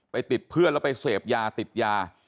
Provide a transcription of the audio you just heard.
ติดเพื่อนแล้วไปเสพยาติดยา